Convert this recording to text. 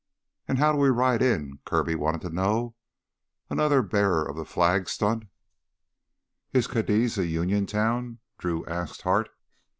"An' how do we ride in?" Kirby wanted to know. "Another bearer of the flag stunt?" "Is Cadiz a Union town?" Drew asked Hart.